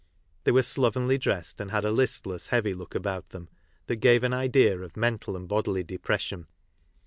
They were slovenly dressed, and had a listless heavy look about them that gave an idea of mental and bodily depression.